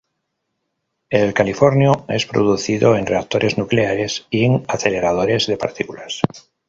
El californio es producido en reactores nucleares y en aceleradores de partículas.